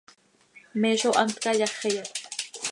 ¿Me zó hant cayáxiya?